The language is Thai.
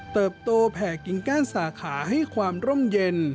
เติบโตแผ่กิ่งก้านสาขาให้ความร่มเย็น